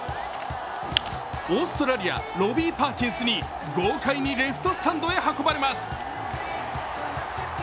オーストラリア、ロビー・パーキンスに豪快にレフトスタンドへ運ばれます。